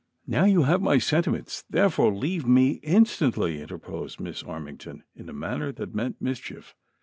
"Now, you have my sentiments, tlierefore leave me in stantly !" interposed Miss Armington, in a manner that meant mischief.